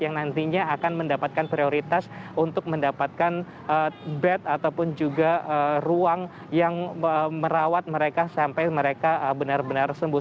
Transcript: yang nantinya akan mendapatkan prioritas untuk mendapatkan bed ataupun juga ruang yang merawat mereka sampai mereka benar benar sembuh